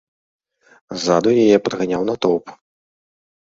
Ззаду яе падганяў натоўп.